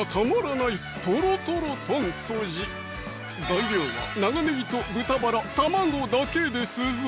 材料は長ねぎと豚バラ・卵だけですぞ！